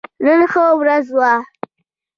نن ښه ورځ وه